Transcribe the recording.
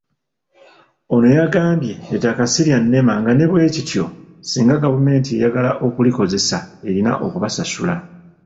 Ono yagambye ettaka ssi lya NEMA nga ne bwe kityo, singa gavumenti eyagala okulikozesa erina okubasasula.